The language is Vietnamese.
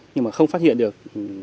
nhưng không phát hiện được